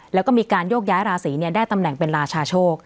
แล้วก็มีการโยกย้ายราศีได้ตำแหน่งเป็นราชาโชค